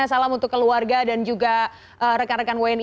salam untuk keluarga dan juga rekan rekan wni